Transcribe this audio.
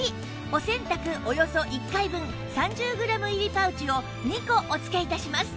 お洗濯およそ１回分３０グラム入りパウチを２個お付け致します